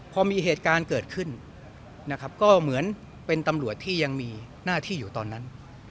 พอมีเหตุการณ์เกิดขึ้นนะครับก็เหมือนเป็นตำรวจที่ยังมีหน้าที่อยู่ตอนนั้น